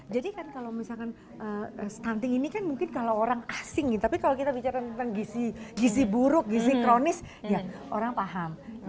jadi kan kalau misalkan stunting ini kan mungkin kalau orang asing tapi kalau kita bicara tentang gizi buruk gizi kronis orang paham